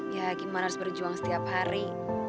ya gimana harus berjuang setiap hari